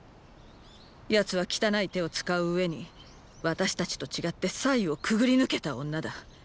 奴は汚い手を使う上に私たちと違って“祭”をくぐり抜けた女だ。